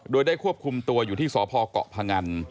โดยได้ควบคุมตัวอยู่ที่สพเกาะพงัน